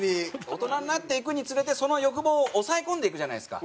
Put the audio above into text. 大人になっていくにつれてその欲望を抑え込んでいくじゃないですか。